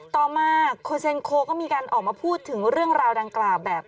ต่อมาโคเซนโคก็มีการออกมาพูดถึงเรื่องราวดังกล่าวแบบ